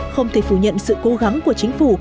không thể phủ nhận sự cố gắng của chính phủ